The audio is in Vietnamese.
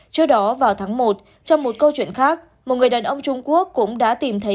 trước đó vào tháng một trong một câu chuyện khác một người đàn ông trung quốc cũng đã tìm thấy